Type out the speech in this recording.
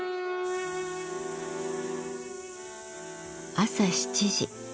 朝７時。